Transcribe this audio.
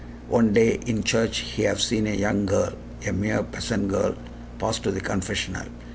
One day in church he have seen a young girl a mere peasant girl pass to the confessional.